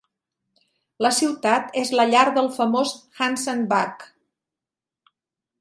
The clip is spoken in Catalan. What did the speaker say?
La ciutat és la llar del famós Hanson Buck.